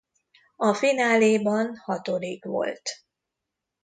A fináléban hatodik volt.